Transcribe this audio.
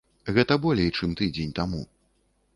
Гэта болей, чым тыдзень таму.